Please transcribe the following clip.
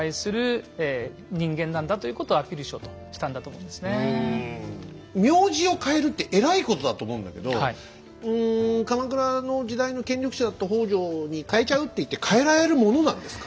そういった意味では名字を変えるってえらいことだと思うんだけどうん鎌倉の時代の権力者だった北条に変えちゃうっていって変えられるものなんですか？